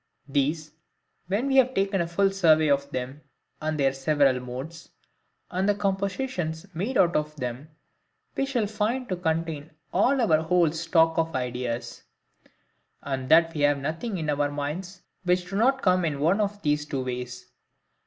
These, when we have taken a full survey of them, and their several modes, and the compositions made out of them we shall find to contain all our whole stock of ideas; and that we have nothing in our minds which did not come in one of these two ways.